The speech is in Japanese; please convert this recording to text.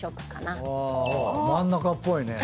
真ん中っぽいね。